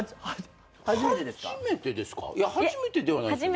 初めてではないんです。